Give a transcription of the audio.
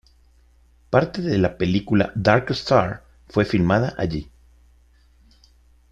Parte de la película "Dark Star" fue filmada allí.